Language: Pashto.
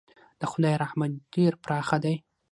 د خدای رحمت ډېر پراخه دی.